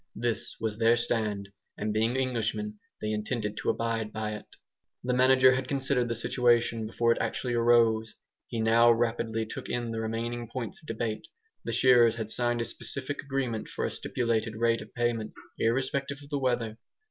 This was their stand. And being Englishmen they intended to abide by it. The manager had considered the situation before it actually arose. He now rapidly took in the remaining points of debate. The shearers had signed a specific agreement for a stipulated rate of payment, irrespective of the weather.